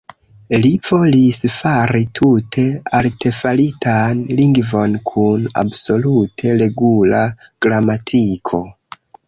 Li volis fari tute artefaritan lingvon kun absolute regula gramatiko.